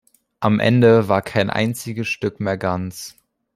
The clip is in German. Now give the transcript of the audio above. Am Ende war kein einziges Stück mehr ganz.